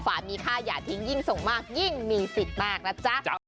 ฝ่ามีค่าอย่าทิ้งยิ่งส่งมากยิ่งมีสิทธิ์มากนะจ๊ะ